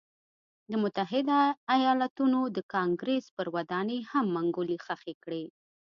د متحده ایالتونو د کانګرېس پر ودانۍ هم منګولې خښې کړې.